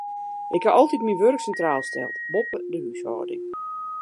Ik ha altyd myn wurk sintraal steld, boppe de húshâlding.